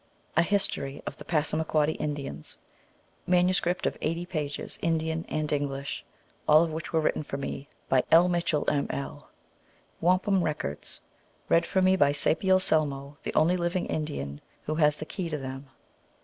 A History of the Passamaquoddy Indians. Manuscript of 80 pages, Indian and English. All of these were written for me by L. Mitchell, M. L. Wampum Records. Read for me by Sapiel Selmo, the only liv ing Indian who has the key to them.